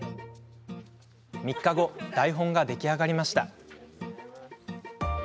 ３日後、台本が出来上がりました。